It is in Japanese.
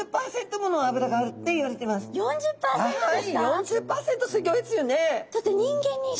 ４０％すギョいですよね。